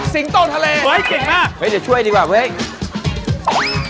สิงต้นทะเลเดี๋ยวช่วยดีกว่าเว้ย